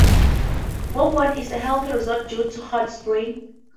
Bourbonne is a health resort due to hot springs.